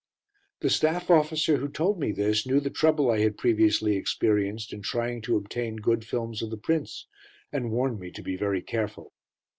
The staff officer who told me this knew the trouble I had previously experienced in trying to obtain good films of the Prince, and warned me to be very careful.